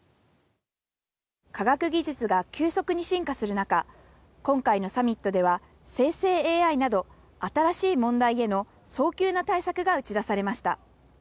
科学技術が急速に進化する中、今回のサミットでは、生成ＡＩなど、新しい問題への早急な対策が打ち出されました。